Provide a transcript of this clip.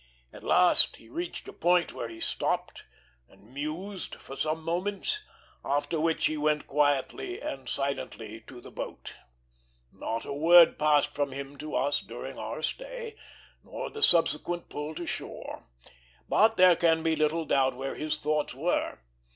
At last he reached a point where he stopped and mused for some moments, after which he went quietly and silently to the boat. Not a word passed from him to us during our stay, nor the subsequent pull to shore; but there can be little doubt where his thoughts were.